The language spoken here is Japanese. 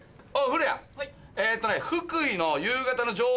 えっとね。